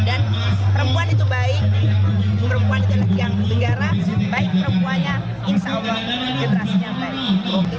dan perempuan itu baik perempuan itu lagi yang berdegara baik perempuannya insya allah generasinya baik